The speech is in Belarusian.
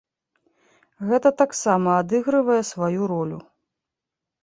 Гэта таксама адыгрывае сваю ролю.